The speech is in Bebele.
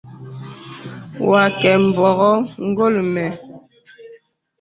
Wa kə mbɔŋɔ̀ ngɔl mə.